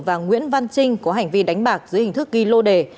và nguyễn văn trinh có hành vi đánh bạc dưới hình thức ghi lô đề